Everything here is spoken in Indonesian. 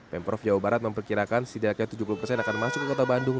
pemprov jawa barat memperkirakan setidaknya tujuh puluh persen akan masuk ke kota bandung